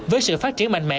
với sự phát triển mạnh mẽ